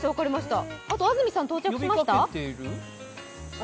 あと、安住さん、到着しました？